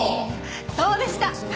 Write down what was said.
そうでした。